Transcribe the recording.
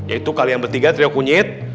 yaitu kalian bertiga trio kunyit